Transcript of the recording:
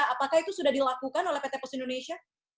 apakah itu sudah dilakukan oleh pt pos indonesia